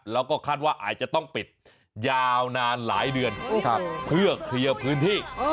แล้วก็คาดว่าอาจจะต้องปิดยาวนานหลายเดือนเพื่อเคลียร์พื้นที่